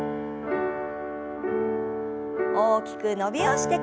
大きく伸びをしてから。